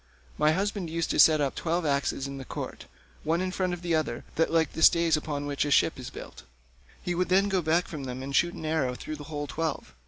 My husband used to set up twelve axes in the court, one in front of the other, like the stays upon which a ship is built; he would then go back from them and shoot an arrow through the whole twelve.